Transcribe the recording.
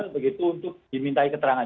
begitu untuk dimintai keterangan